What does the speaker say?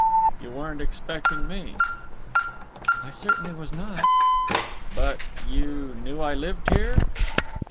"You weren't expecting me?" "I certainly was not!" "But ... but you knew I lived here?"